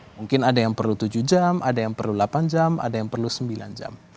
mungkin ada yang perlu tujuh jam ada yang perlu delapan jam ada yang perlu sembilan jam